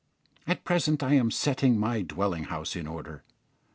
At present I am setting my dwelling house in order.